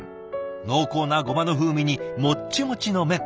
濃厚なゴマの風味にもっちもちの麺。